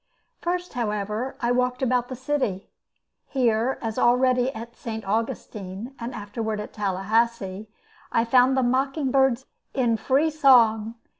First, however, I walked about the city. Here, as already at St. Augustine, and afterward at Tallahassee, I found the mocking birds in free song.